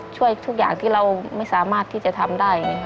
ช่วยทุกอย่างที่เราไม่สามารถที่จะทำได้